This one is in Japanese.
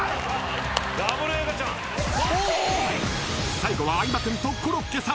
［最後は相葉君とコロッケさん］